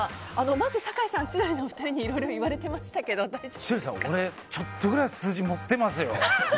まず、酒井さん千鳥のお二人にいろいろ言われてましたけど千鳥さん、俺ちょっとくらい数字持ってますよ。